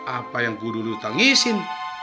apa yang kududu tangisin